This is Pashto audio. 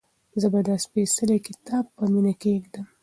زه به دا سپېڅلی کتاب په مینه کېږدم.